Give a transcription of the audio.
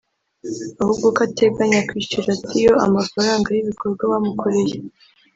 ahubwo ko ateganya kwishyura Theo amafaranga y’ibikorwa bamukoreye